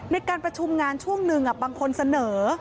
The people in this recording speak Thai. ในการประชุมงานช่วงหนึ่งบางคนเสนอ